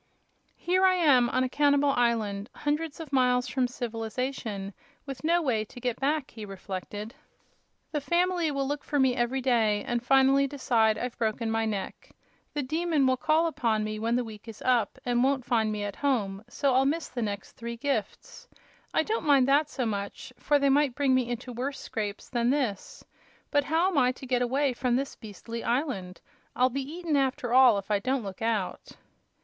"Here I am, on a cannibal island, hundreds of miles from civilization, with no way to get back," he reflected. "The family will look for me every day, and finally decide I've broken my neck. The Demon will call upon me when the week is up and won't find me at home; so I'll miss the next three gifts. I don't mind that so much, for they might bring me into worst scrapes than this. But how am I to get away from this beastly island? I'll be eaten, after all, if I don't look out!"